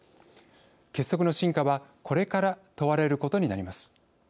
結束の真価はこれから問われることになります。